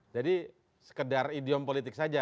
jadi sekedar idiom politik saja